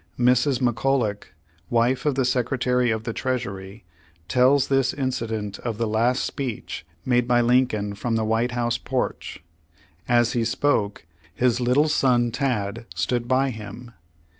Mrs. McCulloch, wife of the Secretary of the Treasury, tells this incident of the last speech made by Lincoln from the White House porch. As he spoke his little son Tad stood by him.